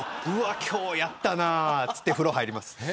今日やったなって風呂に入ります。